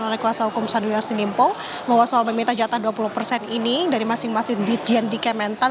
oleh kuasa hukum syahrul yassin limpo bahwa soal meminta jatah dua puluh persen ini dari masing masing dijen di kementan